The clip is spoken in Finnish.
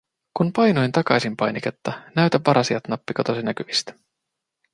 Kun painoin takaisin-painiketta, näytä varasijat -nappi katosi näkyvistä.